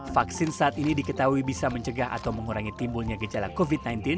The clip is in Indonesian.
vaksin saat ini diketahui bisa mencegah atau mengurangi timbulnya gejala covid sembilan belas